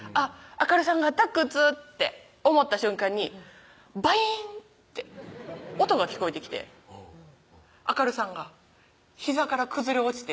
亜嘉瑠さんがアタック打つって思った瞬間にバインって音が聞こえてきてうん亜嘉瑠さんがひざから崩れ落ちて